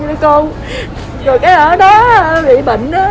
rồi cái ở đó bị bệnh đó